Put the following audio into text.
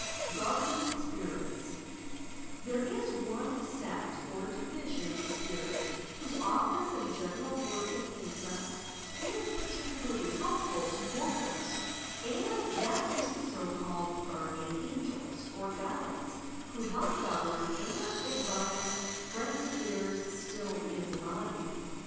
OUAKDIAN SPIRITS There is one "sect" or division of spirits whose office and general work and interest is particularly helpful MORE AND LESS DEVELOPED SPIRITS 195 to mortals, and that is the so called "Guardian Angels" or Guides who help, govern and advise friends of theirs still in the body.